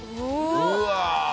うわ！